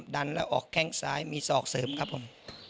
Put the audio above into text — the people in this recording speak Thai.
ดันแล้วออกแข้งซ้ายมีศอกเสริมครับผม